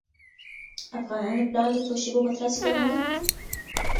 افغانانو پلان د څو شېبو په ترڅ کې عملي کړ.